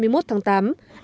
anh đón con trai hai tuổi